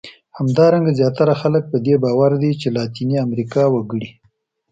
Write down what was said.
همدارنګه زیاتره خلک په دې باور دي چې لاتیني امریکا وګړي.